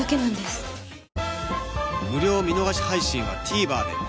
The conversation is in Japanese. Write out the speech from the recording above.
無料見逃し配信は ＴＶｅｒ で